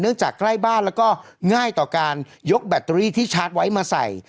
จากใกล้บ้านแล้วก็ง่ายต่อการยกแบตเตอรี่ที่ชาร์จไว้มาใส่